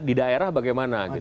di daerah bagaimana